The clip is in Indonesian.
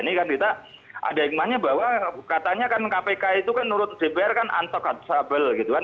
ini kan kita ada hikmahnya bahwa katanya kan kpk itu kan menurut dpr kan untoudsable gitu kan